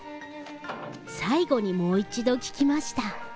最後にもう一度聞きました。